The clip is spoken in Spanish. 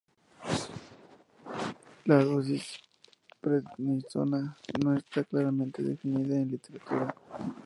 La dosis de prednisona no está claramente definida en la literatura.